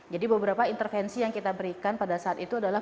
jadi beberapa intervensi yang kita berikan pada saat itu adalah